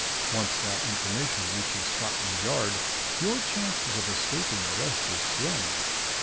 Once that information reaches Scotland Yard, your chance of escaping arrest is slim.